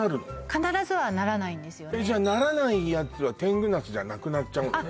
必ずはならないんですよねえっじゃあならないやつは天狗なすじゃなくなっちゃうのね